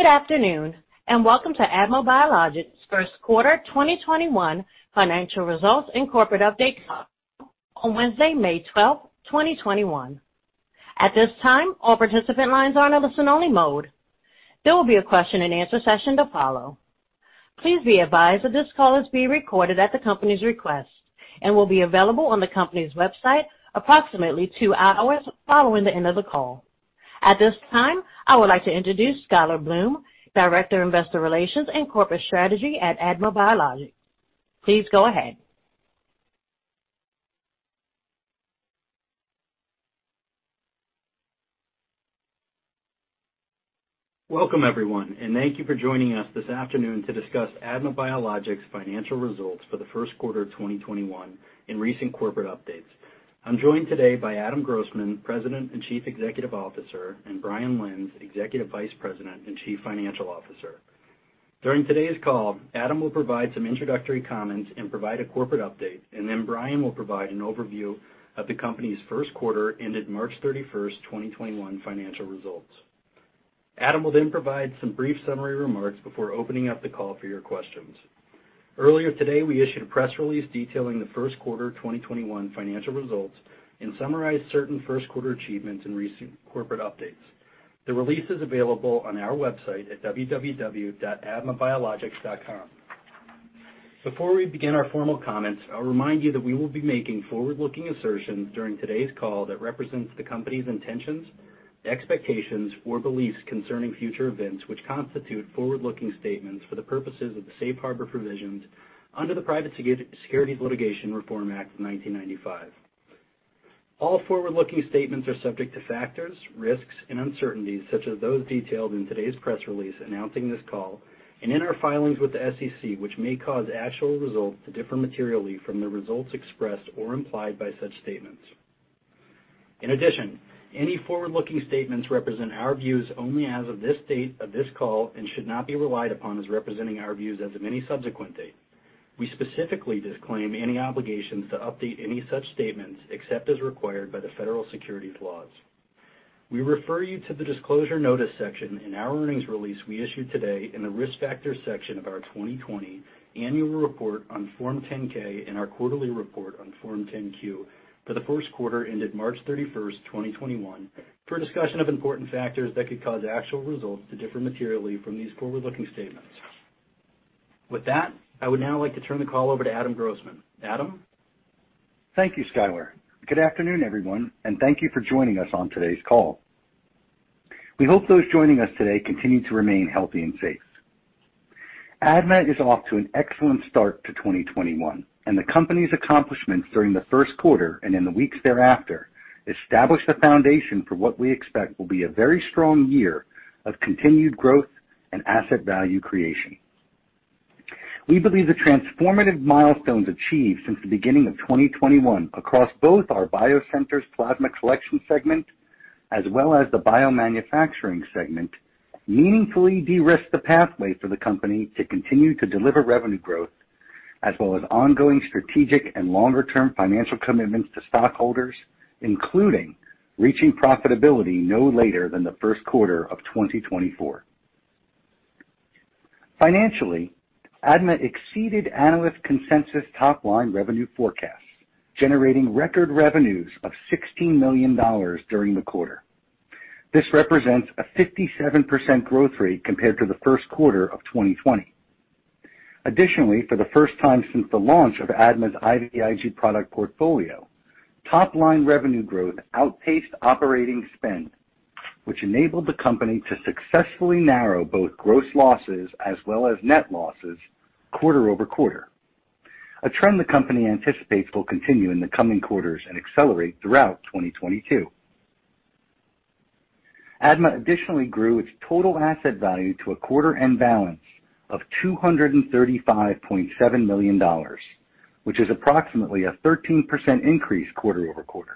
Good afternoon, and welcome to ADMA Biologics' first quarter 2021 financial results and corporate update call on Wednesday, May 12, 2021. At this time, all participant lines are in listen only mode. There will be a question and answer session to follow. Please be advised that this call is being recorded at the company's request and will be available on the company's website approximately two hours following the end of the call. At this time, I would like to introduce Skyler Bloom, Director of Investor Relations and Corporate Strategy at ADMA Biologics. Please go ahead. Welcome, everyone, and thank you for joining us this afternoon to discuss ADMA Biologics' financial results for the first quarter of 2021 and recent corporate updates. I'm joined today by Adam Grossman, President and Chief Executive Officer, and Brian Lenz, Executive Vice President and Chief Financial Officer. During today's call, Adam will provide some introductory comments and provide a corporate update and then Brian will provide an overview of the company's first quarter ended March 31st, 2021 financial results. Adam will then provide some brief summary remarks before opening up the call for your questions. Earlier today, we issued a press release detailing the first quarter 2021 financial results and summarized certain first quarter achievements and recent corporate updates. The release is available on our website at www.admabiologics.com. Before we begin our formal comments, I'll remind you that we will be making forward-looking assertions during today's call that represents the company's intentions, expectations, or beliefs concerning future events which constitute forward-looking statements for the purposes of the safe harbor provisions under the Private Securities Litigation Reform Act of 1995. All forward-looking statements are subject to factors, risks, and uncertainties such as those detailed in today's press release announcing this call and in our filings with the SEC, which may cause actual results to differ materially from the results expressed or implied by such statements. In addition, any forward-looking statements represent our views only as of this date of this call and should not be relied upon as representing our views as of any subsequent date. We specifically disclaim any obligations to update any such statements except as required by the federal securities laws. We refer you to the Disclosure Notice section in our earnings release we issued today in the Risk Factor section of our 2020 annual report on Form 10-K and our quarterly report on Form 10-Q for the first quarter ended March 31st, 2021, for a discussion of important factors that could cause actual results to differ materially from these forward-looking statements. With that, I would now like to turn the call over to Adam Grossman. Adam? Thank you, Skyler. Good afternoon, everyone, thank you for joining us on today's call. We hope those joining us today continue to remain healthy and safe. ADMA is off to an excellent start to 2021. The company's accomplishments during the first quarter and in the weeks thereafter establish the foundation for what we expect will be a very strong year of continued growth and asset value creation. We believe the transformative milestones achieved since the beginning of 2021 across both our biocenters plasma collection segment as well as the biomanufacturing segment meaningfully de-risk the pathway for the company to continue to deliver revenue growth as well as ongoing strategic and longer-term financial commitments to stockholders, including reaching profitability no later than the first quarter of 2024. Financially, ADMA exceeded analyst consensus top-line revenue forecasts, generating record revenues of $16 million during the quarter. This represents a 57% growth rate compared to the first quarter of 2020. Additionally, for the first time since the launch of ADMA's IVIG product portfolio, top-line revenue growth outpaced operating spend, which enabled the company to successfully narrow both gross losses as well as net losses quarter-over-quarter, a trend the company anticipates will continue in the coming quarters and accelerate throughout 2022. ADMA additionally grew its total asset value to a quarter-end balance of $235.7 million, which is approximately a 13% increase quarter-over-quarter.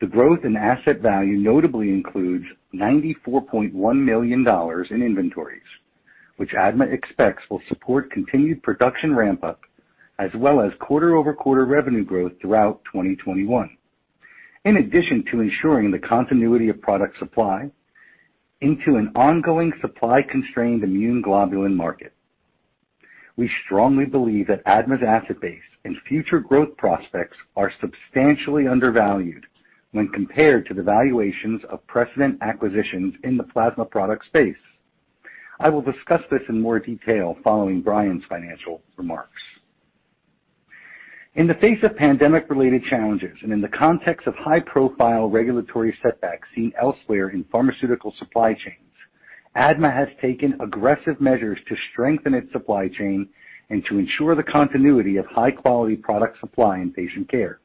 The growth in asset value notably includes $94.1 million in inventories, which ADMA expects will support continued production ramp-up as well as quarter-over-quarter revenue growth throughout 2021. In addition to ensuring the continuity of product supply into an ongoing supply-constrained immune globulin market, we strongly believe that ADMA's asset base and future growth prospects are substantially undervalued when compared to the valuations of precedent acquisitions in the plasma product space. I will discuss this in more detail following Brian's financial remarks. In the face of pandemic-related challenges and in the context of high-profile regulatory setbacks seen elsewhere in pharmaceutical supply chains, ADMA has taken aggressive measures to strengthen its supply chain and to ensure the continuity of high-quality product supply and patient care.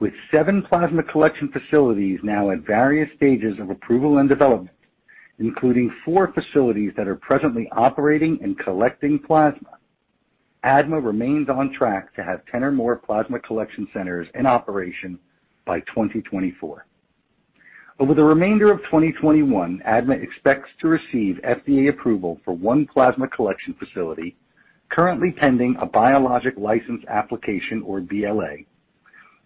With seven plasma collection facilities now at various stages of approval and development, including four facilities that are presently operating and collecting plasma, ADMA remains on track to have 10 or more plasma collection centers in operation by 2024. Over the remainder of 2021, ADMA expects to receive FDA approval for one plasma collection facility currently pending a Biologic License Application or BLA.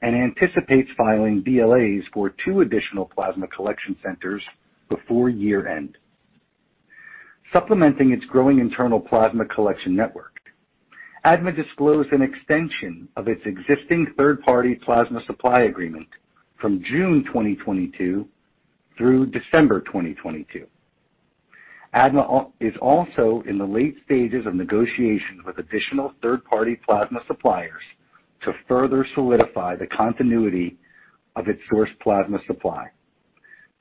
Anticipates filing BLAs for two additional plasma collection centers before year-end. Supplementing its growing internal plasma collection network, ADMA disclosed an extension of its existing third-party plasma supply agreement from June 2022 through December 2022. ADMA is also in the late stages of negotiations with additional third-party plasma suppliers to further solidify the continuity of its source plasma supply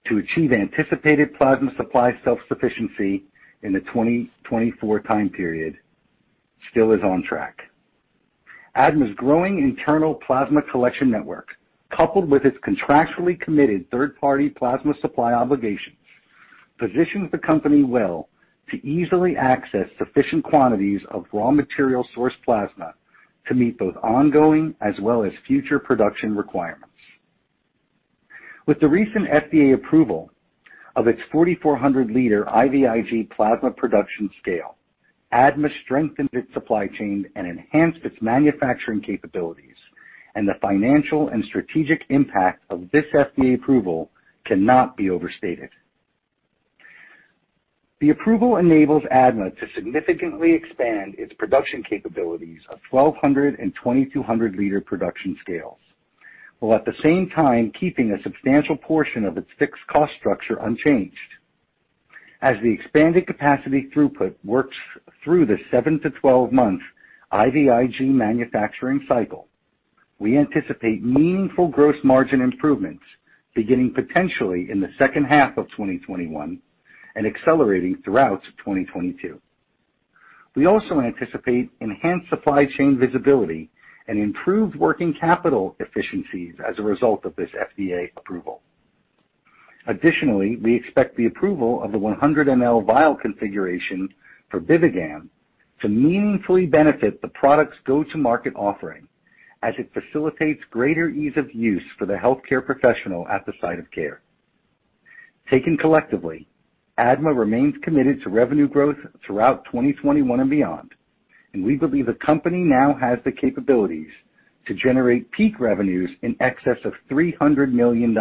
to achieve anticipated plasma supply self-sufficiency in the 2024 time period. Still is on track. ADMA's growing internal plasma collection network, coupled with its contractually committed third-party plasma supply obligations, positions the company well to easily access sufficient quantities of raw material source plasma to meet both ongoing as well as future production requirements. With the recent FDA approval of its 4,400 L IVIG plasma production scale, ADMA strengthened its supply chain and enhanced its manufacturing capabilities, and the financial and strategic impact of this FDA approval cannot be overstated. The approval enables ADMA to significantly expand its production capabilities of 1,200 L and 2,200 L production scales, while at the same time keeping a substantial portion of its fixed cost structure unchanged. As the expanded capacity throughput works through the 7-12 month IVIG manufacturing cycle, we anticipate meaningful gross margin improvements beginning potentially in the second half of 2021 and accelerating throughout 2022. We also anticipate enhanced supply chain visibility and improved working capital efficiencies as a result of this FDA approval. Additionally, we expect the approval of the 100 ml vial configuration for BIVIGAM to meaningfully benefit the product's go-to-market offering as it facilitates greater ease of use for the healthcare professional at the site of care. Taken collectively, ADMA remains committed to revenue growth throughout 2021 and beyond. We believe the company now has the capabilities to generate peak revenues in excess of $300 million,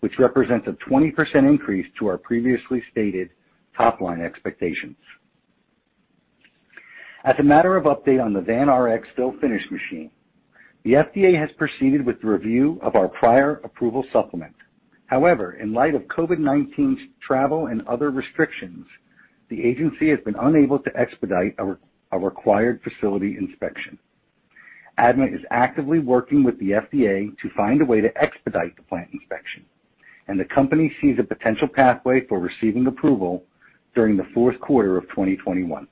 which represents a 20% increase to our previously stated top-line expectations. As a matter of update on the Vanrx fill finish machine, the FDA has proceeded with the review of our prior approval supplement. However, in light of COVID-19's travel and other restrictions, the agency has been unable to expedite a required facility inspection. ADMA is actively working with the FDA to find a way to expedite the plant inspection, and the company sees a potential pathway for receiving approval during the fourth quarter of 2021.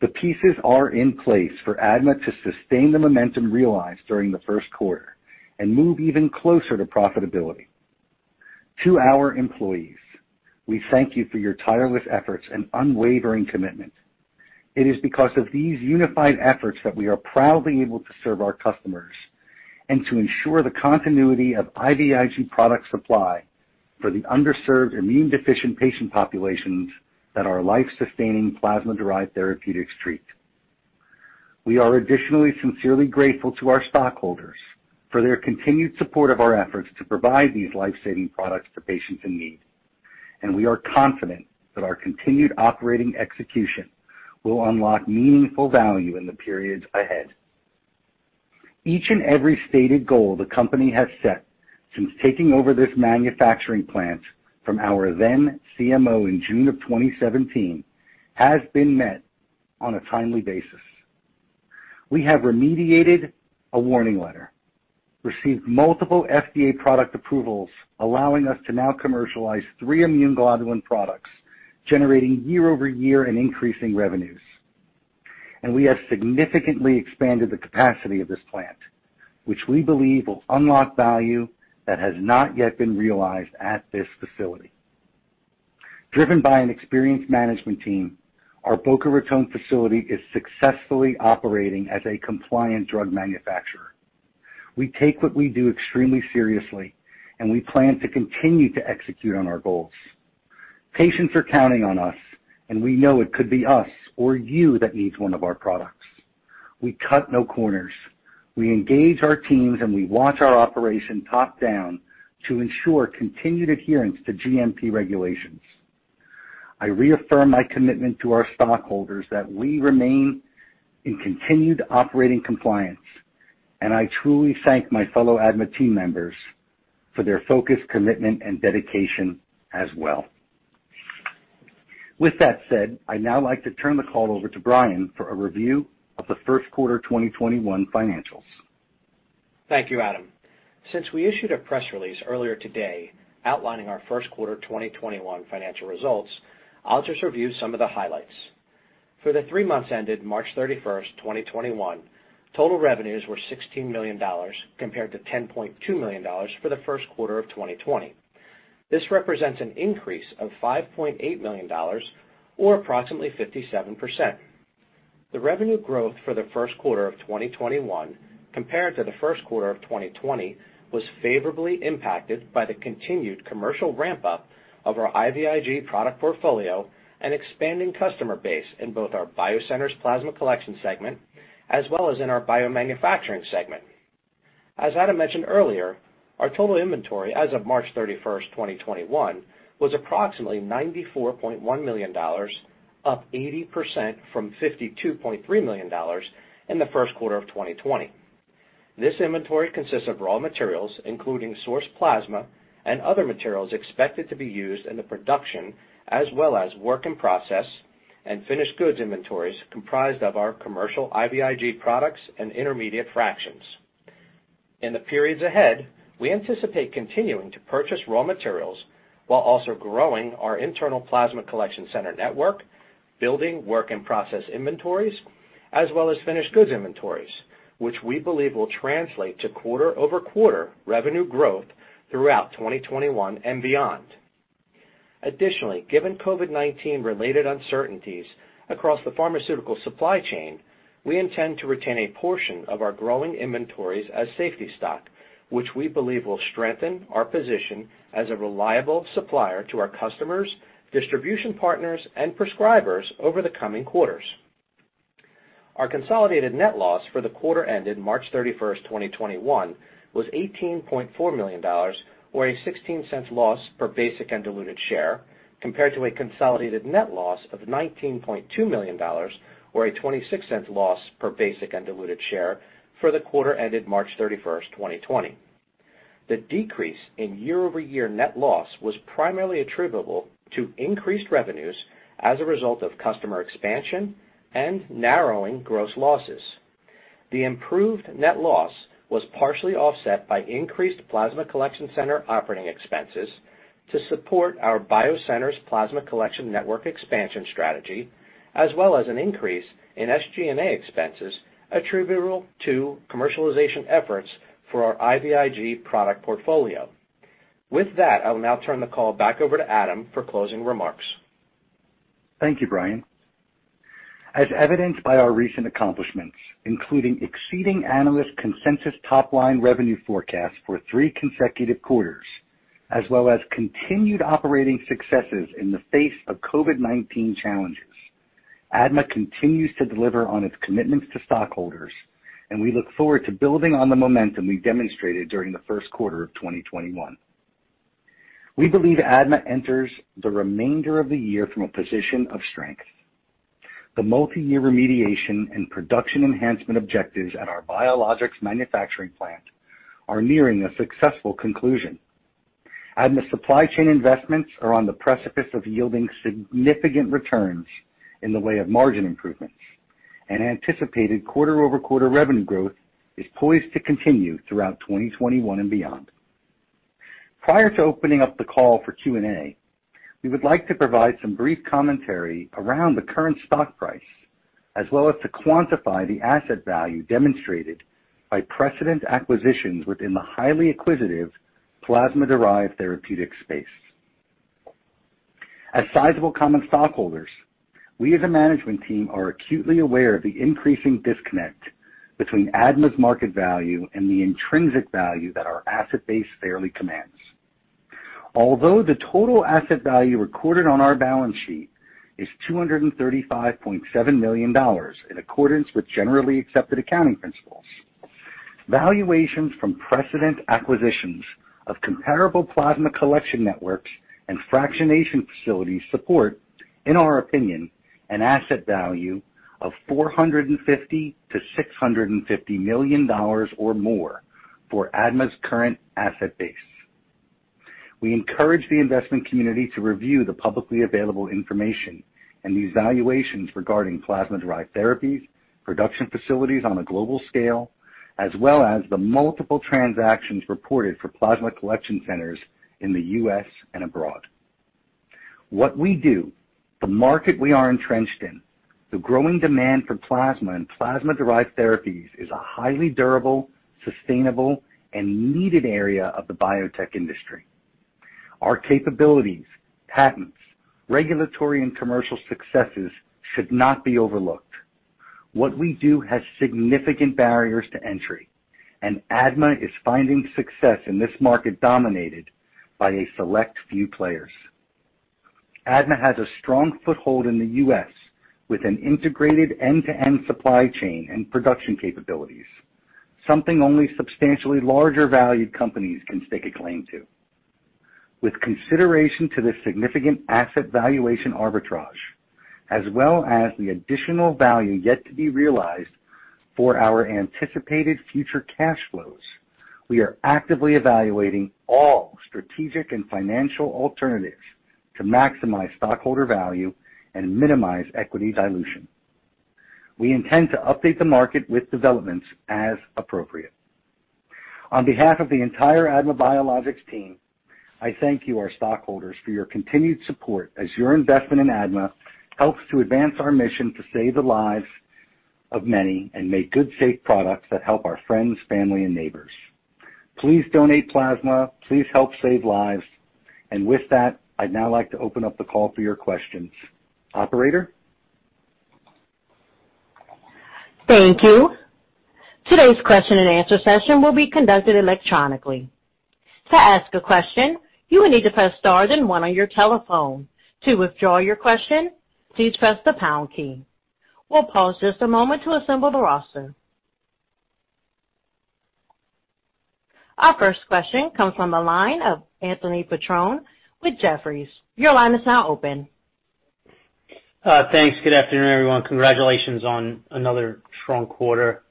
The pieces are in place for ADMA to sustain the momentum realized during the first quarter and move even closer to profitability. To our employees, we thank you for your tireless efforts and unwavering commitment. It is because of these unified efforts that we are proudly able to serve our customers and to ensure the continuity of IVIG product supply for the underserved immune deficient patient populations that our life-sustaining plasma-derived therapeutics treat. We are additionally sincerely grateful to our stockholders for their continued support of our efforts to provide these life-saving products to patients in need, and we are confident that our continued operating execution will unlock meaningful value in the periods ahead. Each and every stated goal the company has set since taking over this manufacturing plant from our then CMO in June of 2017 has been met on a timely basis. We have remediated a warning letter, received multiple FDA product approvals allowing us to now commercialize three immune globulin products, generating year-over-year in increasing revenues. We have significantly expanded the capacity of this plant, which we believe will unlock value that has not yet been realized at this facility. Driven by an experienced management team, our Boca Raton facility is successfully operating as a compliant drug manufacturer. We take what we do extremely seriously, and we plan to continue to execute on our goals. Patients are counting on us, and we know it could be us or you that needs one of our products. We cut no corners. We engage our teams, and we watch our operation top-down to ensure continued adherence to GMP regulations. I reaffirm my commitment to our stockholders that we remain in continued operating compliance, and I truly thank my fellow ADMA team members for their focus, commitment, and dedication as well. With that said, I'd now like to turn the call over to Brian for a review of the first quarter 2021 financials. Thank you, Adam. Since we issued a press release earlier today outlining our first quarter 2021 financial results, I'll just review some of the highlights. For the three months ended March 31st, 2021, total revenues were $16 million compared to $10.2 million for the first quarter of 2020. This represents an increase of $5.8 million, or approximately 57%. The revenue growth for the first quarter of 2021 compared to the first quarter of 2020 was favorably impacted by the continued commercial ramp-up of our IVIG product portfolio and expanding customer base in both our Biocenters Plasma Collection segment, as well as in our Biomanufacturing segment. As Adam mentioned earlier, our total inventory as of March 31st, 2021, was approximately $94.1 million, up 80% from $52.3 million in the first quarter of 2020. This inventory consists of raw materials, including source plasma and other materials expected to be used in the production, as well as work in process and finished goods inventories comprised of our commercial IVIG products and intermediate fractions. In the periods ahead, we anticipate continuing to purchase raw materials while also growing our internal plasma collection center network, building work in process inventories, as well as finished goods inventories, which we believe will translate to quarter-over-quarter revenue growth throughout 2021 and beyond. Additionally, given COVID-19 related uncertainties across the pharmaceutical supply chain, we intend to retain a portion of our growing inventories as safety stock, which we believe will strengthen our position as a reliable supplier to our customers, distribution partners, and prescribers over the coming quarters. Our consolidated net loss for the quarter ended March 31st, 2021, was $18.4 million, or a $0.16 loss per basic and diluted share, compared to a consolidated net loss of $19.2 million, or a $0.26 loss per basic and diluted share for the quarter ended March 31st, 2020. The decrease in year-over-year net loss was primarily attributable to increased revenues as a result of customer expansion and narrowing gross losses. The improved net loss was partially offset by increased plasma collection center operating expenses to support our Biocenters plasma collection network expansion strategy, as well as an increase in SG&A expenses attributable to commercialization efforts for our IVIG product portfolio. With that, I will now turn the call back over to Adam for closing remarks. Thank you, Brian. As evidenced by our recent accomplishments, including exceeding analyst consensus top-line revenue forecasts for three consecutive quarters, as well as continued operating successes in the face of COVID-19 challenges, ADMA continues to deliver on its commitments to stockholders, and we look forward to building on the momentum we've demonstrated during the first quarter of 2021. We believe ADMA enters the remainder of the year from a position of strength. The multi-year remediation and production enhancement objectives at our biologics manufacturing plant are nearing a successful conclusion. ADMA supply chain investments are on the precipice of yielding significant returns in the way of margin improvements, and anticipated quarter-over-quarter revenue growth is poised to continue throughout 2021 and beyond. Prior to opening up the call for Q&A, we would like to provide some brief commentary around the current stock price, as well as to quantify the asset value demonstrated by precedent acquisitions within the highly acquisitive plasma-derived therapeutic space. As sizable common stockholders, we as a management team are acutely aware of the increasing disconnect between ADMA's market value and the intrinsic value that our asset base fairly commands. Although the total asset value recorded on our balance sheet is $235.7 million in accordance with generally accepted accounting principles, valuations from precedent acquisitions of comparable plasma collection networks and fractionation facilities support, in our opinion, an asset value of $450 million-$650 million or more for ADMA's current asset base. We encourage the investment community to review the publicly available information and these valuations regarding plasma-derived therapies, production facilities on a global scale, as well as the multiple transactions reported for plasma collection centers in the U.S. and abroad. What we do, the market we are entrenched in, the growing demand for plasma and plasma-derived therapies, is a highly durable, sustainable, and needed area of the biotech industry. Our capabilities, patents, regulatory and commercial successes should not be overlooked. What we do has significant barriers to entry, ADMA is finding success in this market dominated by a select few players. ADMA has a strong foothold in the U.S. with an integrated end-to-end supply chain and production capabilities, something only substantially larger valued companies can stake a claim to. With consideration to this significant asset valuation arbitrage, as well as the additional value yet to be realized for our anticipated future cash flows, we are actively evaluating all strategic and financial alternatives to maximize stockholder value and minimize equity dilution. We intend to update the market with developments as appropriate. On behalf of the entire ADMA Biologics team, I thank you, our stockholders, for your continued support as your investment in ADMA helps to advance our mission to save the lives of many and make good, safe products that help our friends, family, and neighbors. Please donate plasma. Please help save lives. With that, I'd now like to open up the call for your questions. Operator? Thank you. Our first question comes from the line of Anthony Petrone with Jefferies. Your line is now open. Thanks. Good afternoon, everyone. Congratulations on another strong quarter.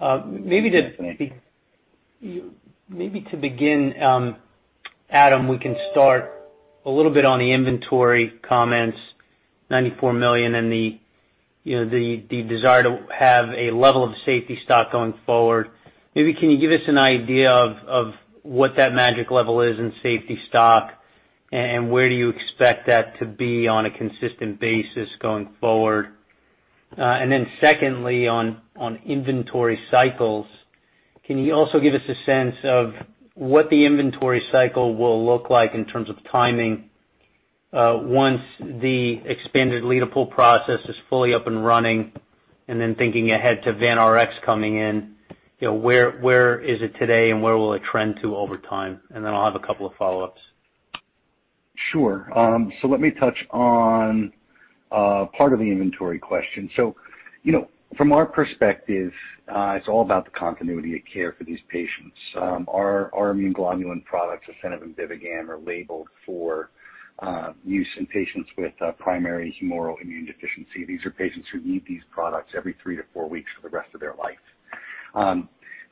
Thanks, Anthony. Maybe to begin, Adam, we can start a little bit on the inventory comments, $94 million, and the desire to have a level of safety stock going forward. Maybe can you give us an idea of what that magic level is in safety stock, and where do you expect that to be on a consistent basis going forward? Secondly, on inventory cycles, can you also give us a sense of what the inventory cycle will look like in terms of timing, once the expanded lead-up pool process is fully up and running? Thinking ahead to Vanrx coming in, where is it today and where will it trend to over time? I'll have a couple of follow-ups. Sure. Let me touch on part of the inventory question. From our perspective, it's all about the continuity of care for these patients. Our immune globulin products, ASCENIV and BIVIGAM, are labeled for use in patients with primary humoral immune deficiency. These are patients who need these products every 3-4 weeks for the rest of their lives.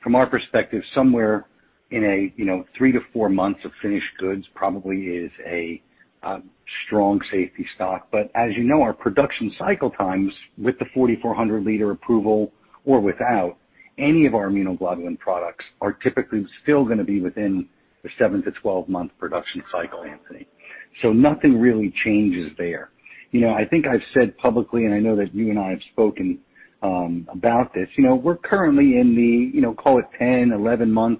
From our perspective, somewhere in a 3-4 months of finished goods probably is a strong safety stock. As you know, our production cycle times with the 4,400-L approval or without, any of our immune globulin products are typically still going to be within the 7-to-12-month production cycle, Anthony. Nothing really changes there. I think I've said publicly, and I know that you and I have spoken about this, we're currently in the call it 10, 11 month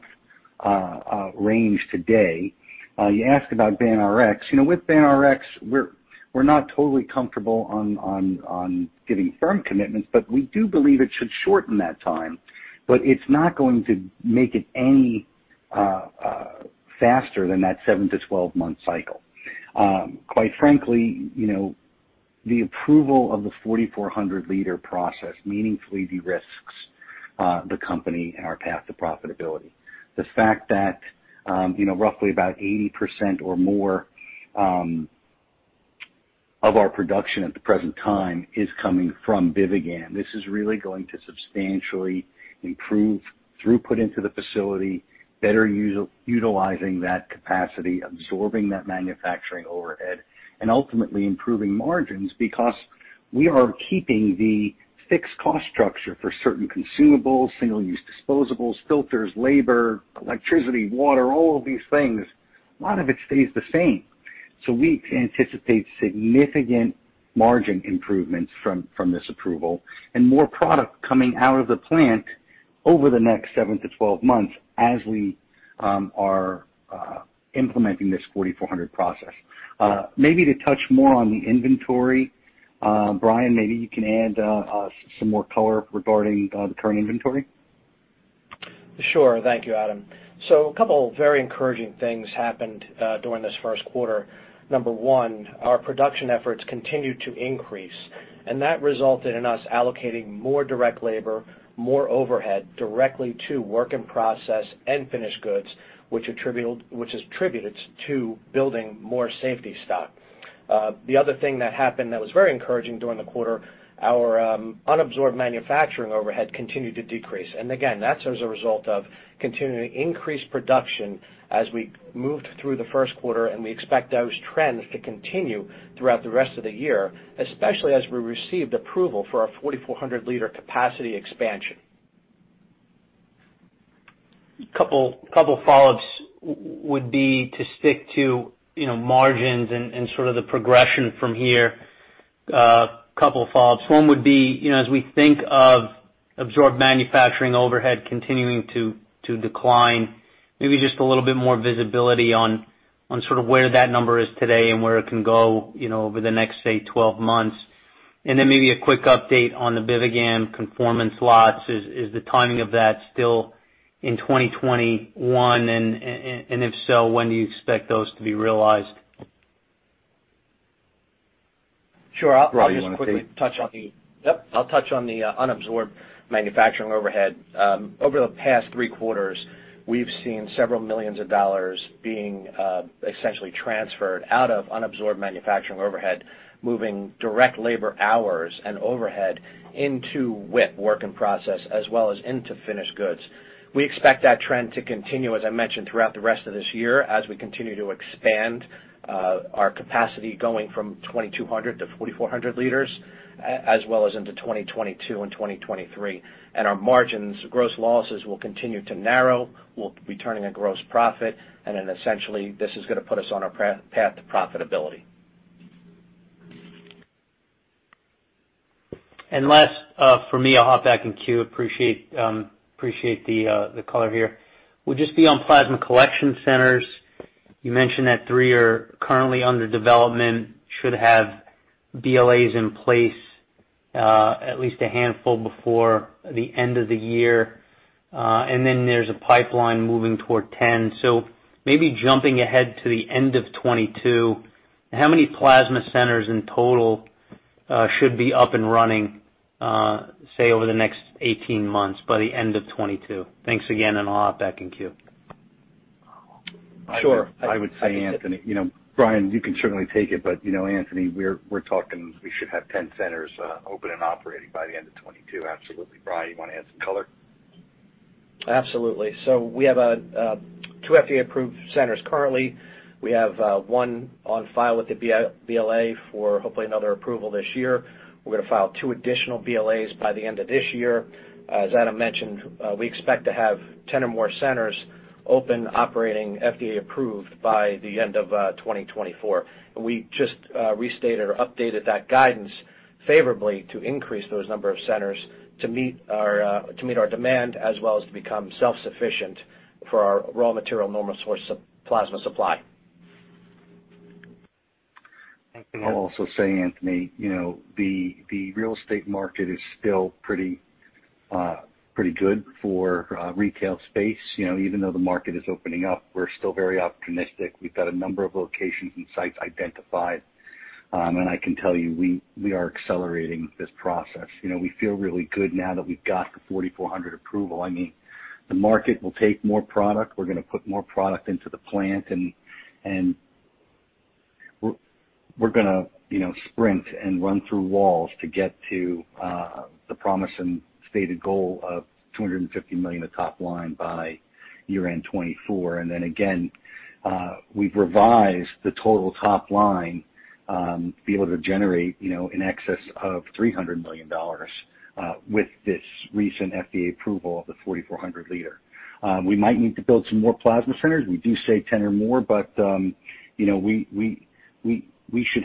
range today. You asked about Vanrx. With Vanrx, we're not totally comfortable on giving firm commitments, but we do believe it should shorten that time. It's not going to make it any faster than that seven to 12-month cycle. Quite frankly, the approval of the 4,400 L process meaningfully de-risks the company and our path to profitability. The fact that roughly about 80% or more of our production at the present time is coming from BIVIGAM. This is really going to substantially improve throughput into the facility, better utilizing that capacity, absorbing that manufacturing overhead, and ultimately improving margins because we are keeping the fixed cost structure for certain consumables, single-use disposables, filters, labor, electricity, water, all of these things. A lot of it stays the same. We anticipate significant margin improvements from this approval and more product coming out of the plant over the next 7-12 months as we are implementing this 4,400 process. Maybe to touch more on the inventory, Brian, maybe you can add some more color regarding the current inventory. Thank you, Adam. A couple of very encouraging things happened during this first quarter. Number one, our production efforts continued to increase, and that resulted in us allocating more direct labor, more overhead directly to work in process and finished goods, which is attributed to building more safety stock. The other thing that happened that was very encouraging during the quarter, our unabsorbed manufacturing overhead continued to decrease. Again, that's as a result of continuing increased production as we moved through the first quarter, and we expect those trends to continue throughout the rest of the year, especially as we received approval for our 4,400 L capacity expansion. Couple follow-ups would be to stick to margins and sort of the progression from here. Couple follow-ups. One would be, as we think of absorbed manufacturing overhead continuing to decline, maybe just a little bit more visibility on sort of where that number is today and where it can go over the next, say, 12 months. Then maybe a quick update on the BIVIGAM conformance lots. Is the timing of that still in 2021? If so, when do you expect those to be realized? Sure. Brian, do you want to? I'll just quickly touch on the unabsorbed manufacturing overhead. Over the past three quarters, we've seen several millions of dollars being essentially transferred out of unabsorbed manufacturing overhead, moving direct labor hours and overhead into WIP, work in process, as well as into finished goods. We expect that trend to continue, as I mentioned, throughout the rest of this year as we continue to expand our capacity going from 2,200 L to 4,400 L, as well as into 2022 and 2023. Our margins, gross losses will continue to narrow. We'll be turning a gross profit, essentially, this is going to put us on a path to profitability. Last for me, I'll hop back in queue. Appreciate the color here. Would just be on plasma collection centers. You mentioned that three are currently under development. Should have BLAs in place. At least a handful before the end of the year. There's a pipeline moving toward 10. Maybe jumping ahead to the end of 2022, how many plasma centers in total should be up and running, say, over the next 18 months by the end of 2022? Thanks again, and I'll hop back in queue. Sure. I would say, Anthony. Brian, you can certainly take it, but Anthony, we're talking we should have 10 centers open and operating by the end of 2022. Absolutely. Brian, you want to add some color? Absolutely. We have two FDA-approved centers currently. We have one on file with the BLA for hopefully another approval this year. We're going to file two additional BLAs by the end of this year. As Adam mentioned, we expect to have 10 or more centers open, operating, FDA approved by the end of 2024. We just restated or updated that guidance favorably to increase those number of centers to meet our demand as well as to become self-sufficient for our raw material normal source plasma supply. Thank you. I'll also say, Anthony, the real estate market is still pretty good for retail space. Even though the market is opening up, we're still very opportunistic. We've got a number of locations and sites identified. I can tell you, we are accelerating this process. We feel really good now that we've got the 4,400 approval. The market will take more product. We're going to put more product into the plant, and we're going to sprint and run through walls to get to the promised and stated goal of $250 million of top line by year-end 2024. Again, we've revised the total top line to be able to generate in excess of $300 million with this recent FDA approval of the 4,400 L. We might need to build some more plasma centers. We do say 10 or more, but we've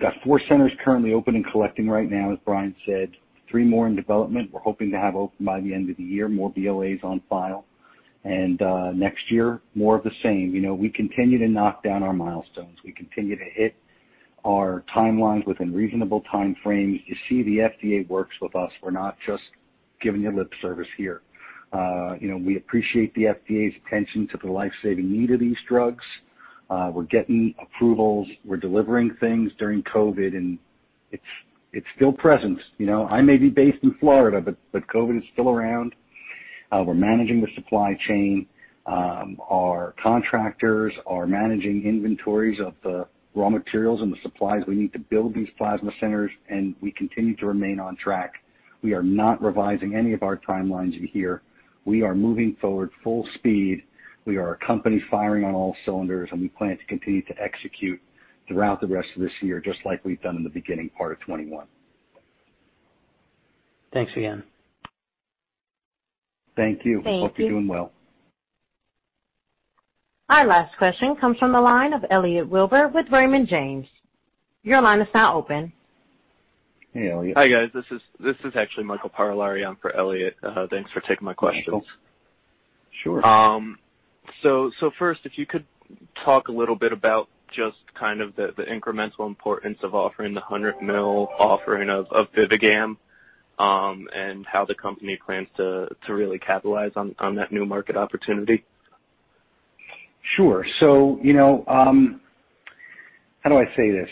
got four centers currently open and collecting right now, as Brian said, three more in development we're hoping to have open by the end of the year, more BLAs on file. Next year, more of the same. We continue to knock down our milestones. We continue to hit our timelines within reasonable time frames. You see the FDA works with us. We're not just giving you lip service here. We appreciate the FDA's attention to the life-saving need of these drugs. We're getting approvals. We're delivering things during COVID, and it's still present. I may be based in Florida, but COVID is still around. We're managing the supply chain. Our contractors are managing inventories of the raw materials and the supplies we need to build these plasma centers, and we continue to remain on track. We are not revising any of our timelines here. We are moving forward full speed. We are a company firing on all cylinders. We plan to continue to execute throughout the rest of this year, just like we've done in the beginning part of 2021. Thanks again. Thank you. Thank you. Hope you're doing well. Our last question comes from the line of Elliot Wilbur with Raymond James. Hey, Elliot. Hi, guys. This is actually Michael Parolari on for Elliot. Thanks for taking my questions. Michael. Sure. First, if you could talk a little bit about just the incremental importance of offering the $100 million offering of BIVIGAM, and how the company plans to really capitalize on that new market opportunity. Sure. How do I say this?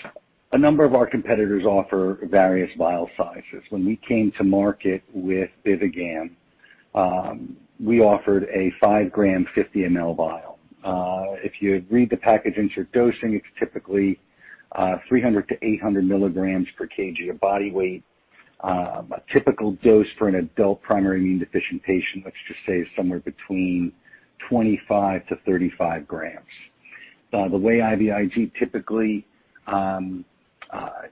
A number of our competitors offer various vial sizes. When we came to market with BIVIGAM, we offered a five gram, 50 ml vial. If you read the package insert dosing, it's typically 300-800 mg per kg of body weight. A typical dose for an adult primary immune deficient patient, let's just say, is somewhere between 25-35 grams. The way IVIG typically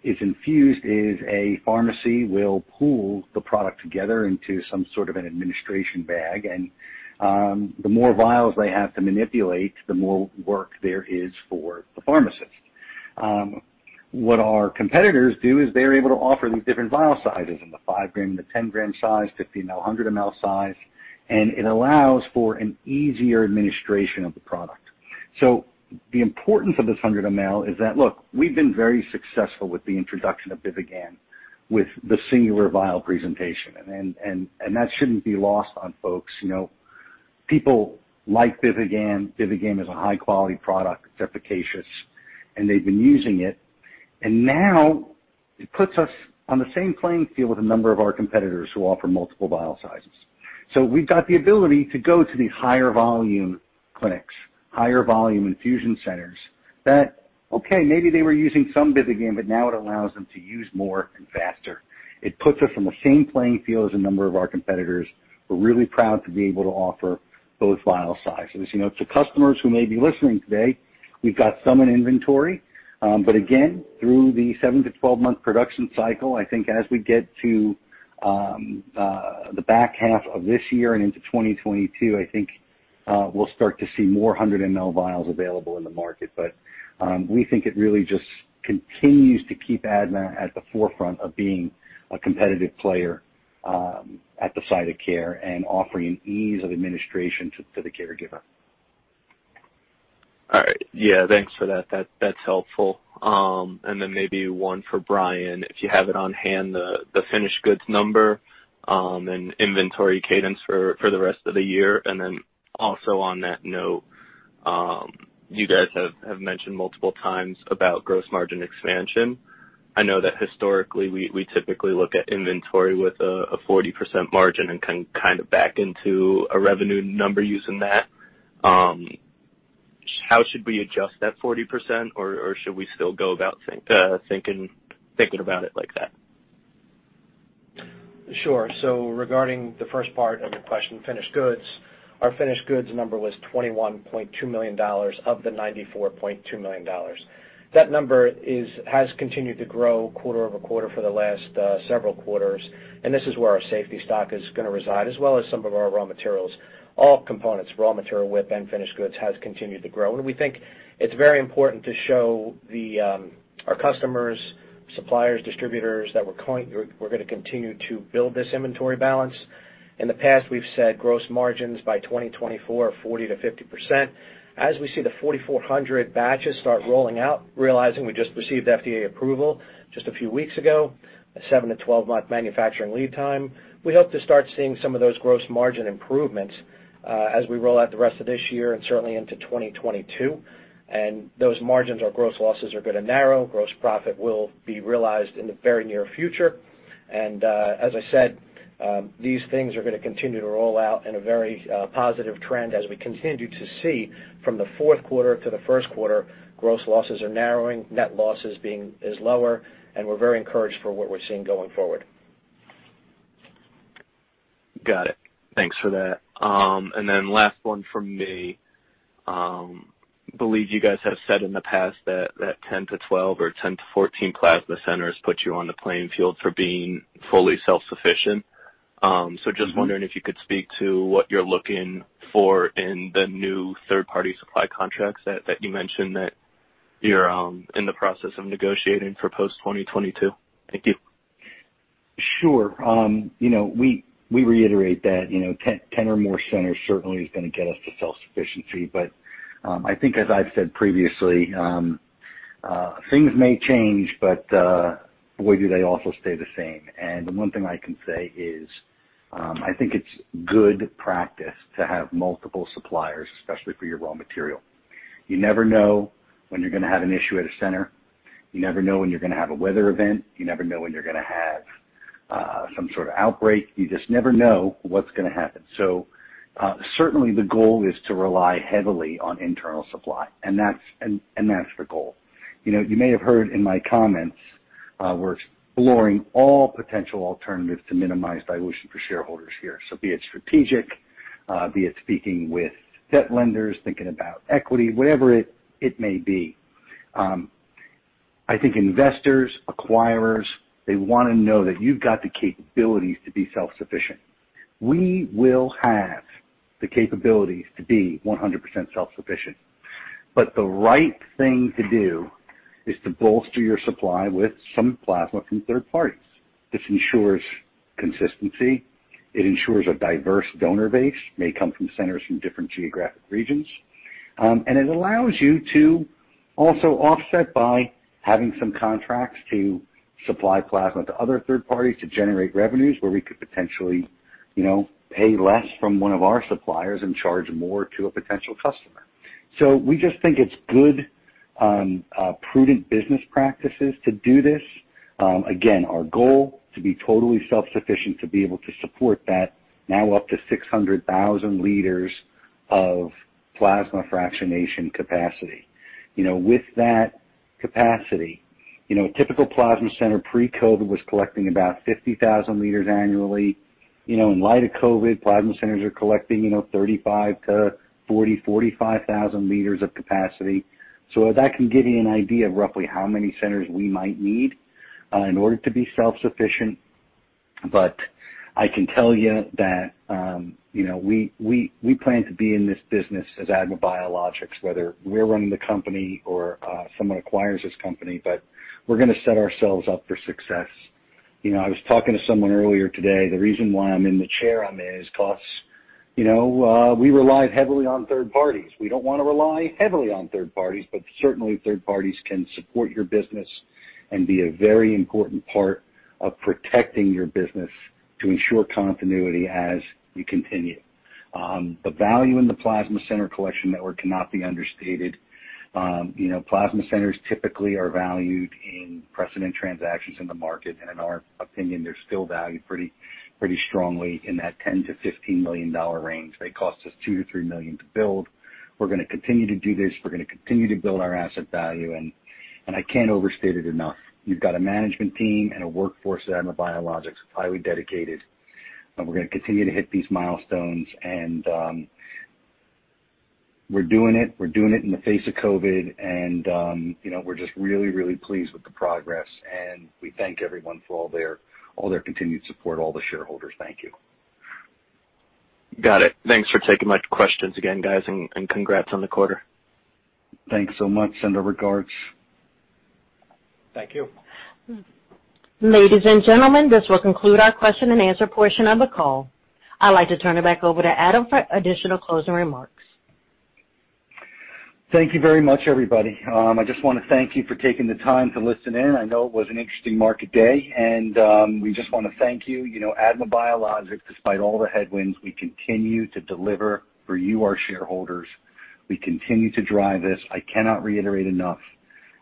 is infused is a pharmacy will pool the product together into some sort of an administration bag. The more vials they have to manipulate, the more work there is for the pharmacist. What our competitors do is they're able to offer these different vial sizes in the five gram, the 10 gram size, 50 ml, 100 ml size, and it allows for an easier administration of the product. The importance of this 100 ml is that, look, we've been very successful with the introduction of BIVIGAM with the singular vial presentation, and that shouldn't be lost on folks. People like BIVIGAM. BIVIGAM is a high-quality product. It's efficacious, and they've been using it. Now it puts us on the same playing field with a number of our competitors who offer multiple vial sizes. We've got the ability to go to these higher volume clinics, higher volume infusion centers that, okay, maybe they were using some BIVIGAM, but now it allows them to use more and faster. It puts us on the same playing field as a number of our competitors. We're really proud to be able to offer both vial sizes. To customers who may be listening today, we've got some in inventory. Again, through the seven to 12-month production cycle, I think as we get to the back half of this year and into 2022, I think we'll start to see more 100 mL vials available in the market. We think it really just continues to keep ADMA at the forefront of being a competitive player at the site of care and offering an ease of administration to the caregiver. All right. Yeah, thanks for that. That's helpful. Maybe one for Brian, if you have it on hand, the finished goods number, and inventory cadence for the rest of the year. On that note, you guys have mentioned multiple times about gross margin expansion. I know that historically, we typically look at inventory with a 40% margin and can kind of back into a revenue number using that. How should we adjust that 40%, or should we still go about thinking about it like that? Sure. Regarding the first part of your question, finished goods, our finished goods number was $21.2 million of the $94.2 million. That number has continued to grow quarter-over-quarter for the last several quarters, and this is where our safety stock is going to reside, as well as some of our raw materials. All components, raw material, WIP, and finished goods, has continued to grow. We think it's very important to show our customers, suppliers, distributors that we're going to continue to build this inventory balance. In the past, we've said gross margins by 2024 are 40%-50%. As we see the 4,400 batches start rolling out, realizing we just received FDA approval just a few weeks ago, a seven-to-12-month manufacturing lead time, we hope to start seeing some of those gross margin improvements as we roll out the rest of this year and certainly into 2022. Those margins or gross losses are going to narrow. Gross profit will be realized in the very near future. As I said, these things are going to continue to roll out in a very positive trend as we continue to see from the fourth quarter to the first quarter, gross losses are narrowing, net loss is lower, and we're very encouraged for what we're seeing going forward. Got it. Thanks for that. Last one from me. Believe you guys have said in the past that 10 to 12 or 10 to 14 plasma centers puts you on the playing field for being fully self-sufficient. Just wondering if you could speak to what you're looking for in the new third-party supply contracts that you mentioned that you're in the process of negotiating for post-2022. Thank you. Sure. We reiterate that 10 or more centers certainly is going to get us to self-sufficiency. I think as I've said previously, things may change, but boy, do they also stay the same. The one thing I can say is, I think it's good practice to have multiple suppliers, especially for your raw material. You never know when you're going to have an issue at a center. You never know when you're going to have a weather event. You never know when you're going to have some sort of outbreak. You just never know what's going to happen. Certainly the goal is to rely heavily on internal supply, and that's the goal. You may have heard in my comments, we're exploring all potential alternatives to minimize dilution for shareholders here. Be it strategic, be it speaking with debt lenders, thinking about equity, whatever it may be. I think investors, acquirers, they want to know that you've got the capabilities to be self-sufficient. We will have the capabilities to be 100% self-sufficient, but the right thing to do is to bolster your supply with some plasma from third parties. This ensures consistency. It ensures a diverse donor base, may come from centers from different geographic regions. It allows you to also offset by having some contracts to supply plasma to other third parties to generate revenues where we could potentially pay less from one of our suppliers and charge more to a potential customer. We just think it's good, prudent business practices to do this. Again, our goal, to be totally self-sufficient, to be able to support that now up to 600,000 L of plasma fractionation capacity. With that capacity, a typical plasma center pre-COVID-19 was collecting about 50,000 L annually. In light of COVID, plasma centers are collecting 35 to 40, 45,000 L of capacity. That can give you an idea of roughly how many centers we might need in order to be self-sufficient. I can tell you that we plan to be in this business as ADMA Biologics, whether we're running the company or someone acquires this company, but we're going to set ourselves up for success. I was talking to someone earlier today, the reason why I'm in the chair I'm in is because we relied heavily on third parties. We don't want to rely heavily on third parties, but certainly third parties can support your business and be a very important part of protecting your business to ensure continuity as we continue. The value in the plasma center collection network cannot be understated. Plasma centers typically are valued in precedent transactions in the market, and in our opinion, they're still valued pretty strongly in that $10 million to $15 million range. They cost us $2 million to $3 million to build. We're going to continue to do this. We're going to continue to build our asset value, and I can't overstate it enough. We've got a management team and a workforce at ADMA Biologics, highly dedicated, and we're going to continue to hit these milestones and we're doing it. We're doing it in the face of COVID-19, and we're just really, really pleased with the progress, and we thank everyone for all their continued support, all the shareholders. Thank you. Got it. Thanks for taking my questions again, guys, and congrats on the quarter. Thanks so much and our regards. Thank you. Ladies and gentlemen, this will conclude our question and answer portion of the call. I'd like to turn it back over to Adam for additional closing remarks. Thank you very much, everybody. I just want to thank you for taking the time to listen in. I know it was an interesting market day. We just want to thank you. ADMA Biologics, despite all the headwinds, we continue to deliver for you, our shareholders. We continue to drive this. I cannot reiterate enough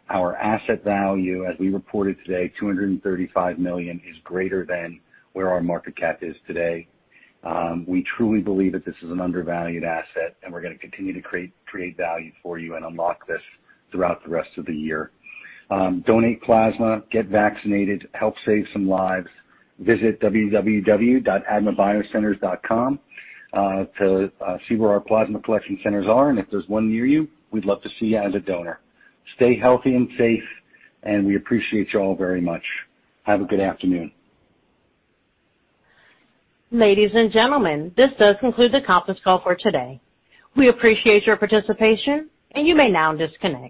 our asset value, as we reported today, $235 million is greater than where our market cap is today. We truly believe that this is an undervalued asset. We're going to continue to create value for you and unlock this throughout the rest of the year. Donate plasma, get vaccinated, help save some lives. Visit www.admabiocenters.com to see where our plasma collection centers are. If there's one near you, we'd love to see you as a donor. Stay healthy and safe. We appreciate you all very much. Have a good afternoon. Ladies and gentlemen, this does conclude the conference call for today. We appreciate your participation, and you may now disconnect.